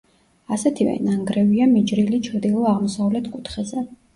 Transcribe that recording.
ასეთივე ნანგრევია მიჯრილი ჩრდილო-აღმოსავლეთ კუთხეზე.